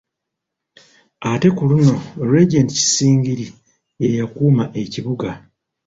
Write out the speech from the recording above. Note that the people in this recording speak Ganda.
Ate ku luno Regent Kisingiri ye yakuuma Ekibuga.